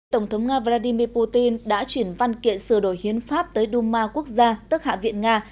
tổng thống nga vladimir putin đã chuyển văn kiện sửa đổi hiến pháp tới duma quốc gia tức hạ viện nga